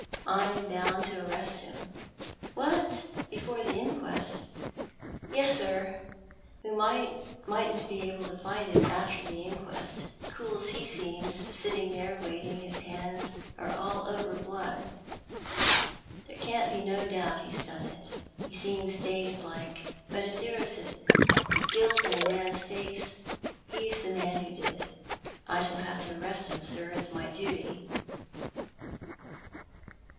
I'm bound to arrest him." " What, before the inquest? "" Yes, sir. We mightn't be able to find him after the inquest. Cool as he seems, sitting there, waiting, his hands are all over blood. There can't be no doubt he's done it. He seems dazed like, but if ever there was guilt in a man's face, he's the man who did it. I shall have to arrest him sir. It's my duty."